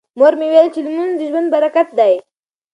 مور مې وویل چې لمونځ د ژوند برکت دی.